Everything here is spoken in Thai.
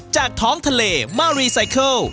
จากท้องทะเลมารีไซเคิล